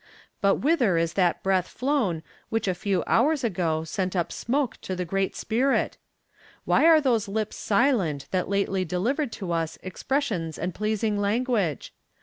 But whither is that breath flown which a few hours ago sent up smoke to the Great Spirit? Why are those lips silent that lately delivered to us expressions and pleasing language?